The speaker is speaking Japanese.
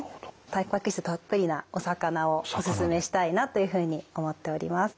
たんぱく質たっぷりなお魚をおすすめしたいなというふうに思っております。